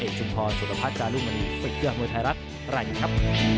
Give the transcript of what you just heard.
สุทธภาษณ์จารุมารีเป็นเกือบโมยไทรรักษ์รันครับ